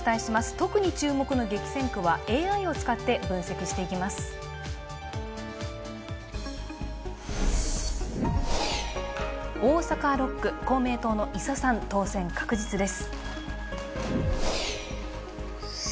特に注目の激戦区はＡＩを使って分析をしていきます。